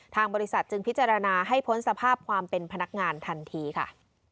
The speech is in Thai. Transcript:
ทางบริษัทจึงพิจารณาให้พ้นสภาพความเป็นพนักงานทันทีค่ะ